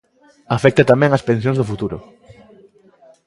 Afecta tamén ás pensións do futuro.